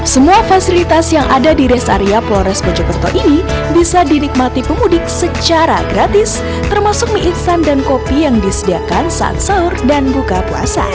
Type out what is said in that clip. semua fasilitas yang ada di res area flores mojokerto ini bisa dinikmati pemudik secara gratis termasuk mie instan dan kopi yang disediakan saat sahur dan buka puasa